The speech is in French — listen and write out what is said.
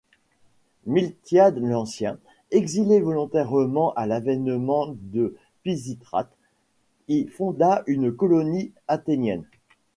Miltiade l'Ancien, exilé volontairement à l’avènement de Pisistrate, y fonda une colonie athénienne.